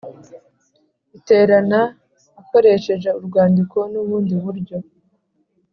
iterana akoresheje urwandiko n ubundi buryo